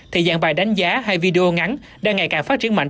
thì dạng bài đánh giá hay video ngắn đang ngày càng phát triển mạnh